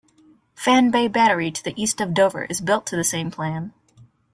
Fan Bay Battery to the east of Dover is built to the same plan.